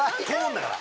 だから。